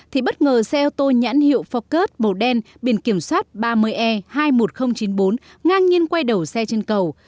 thì bất ngờ xe ô tô nhãn hiệu focus màu đen biển kiểm soát ba mươi e hai mươi một nghìn chín mươi bốn ngang nhiên quay đầu xe trên cầu